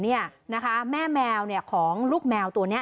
แม่แมวของลูกแมวตัวนี้